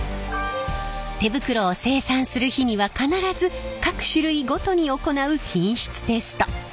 手袋を生産する日には必ず各種類ごとに行う品質テスト。